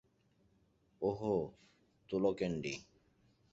ওহ, তুলো ক্যান্ডি!